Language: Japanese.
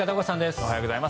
おはようございます。